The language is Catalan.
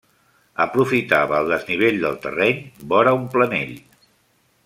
Aprofitava el desnivell del terreny, vora un planell.